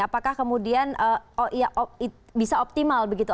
apakah kemudian bisa optimal begitu